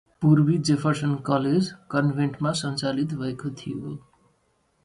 The former Jefferson College operated in Convent.